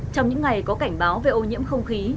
trong những ngày có cảnh báo về ô nhiễm không khí